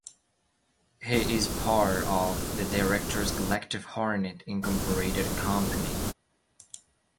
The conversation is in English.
He is part of the Directors Collective Hornet Incorporated company.